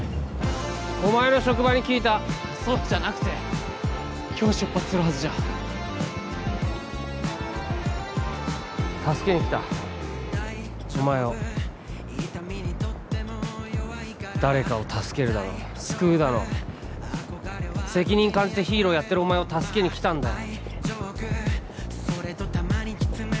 お前の職場に聞いたそうじゃなくて今日出発するはずじゃ助けに来たお前を誰かを助けるだの救うだの責任感じてヒーローやってるお前を助けに来たんだよ